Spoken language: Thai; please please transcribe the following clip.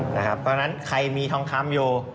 ตอนนั้นใครมีทองคำโย